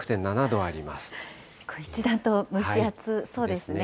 一段と蒸し暑そうですね。